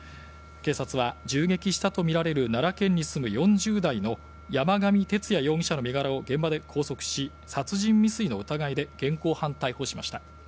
警察は、銃撃したとみられる奈良県に住む４０代の山上徹也容疑者の身柄を現場で拘束し、殺人未遂の疑いで現行犯逮捕しました。